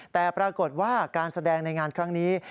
แต่ปรากฏว่าการแสดงในงานครั้งนี้